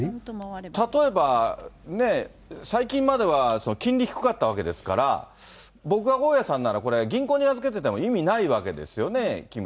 例えば、最近までは金利低かったわけですから、僕が大家さんなら、銀行に預けてても意味ないわけですよね。